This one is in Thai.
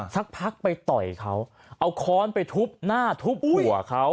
สักพักไปต่อยเขาเอาค้อนไปทุบหน้าทุบหัวเขา